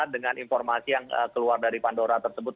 dengan informasi yang keluar dari pandora tersebut